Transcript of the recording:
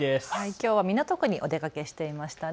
きょうは港区にお出かけしていましたね。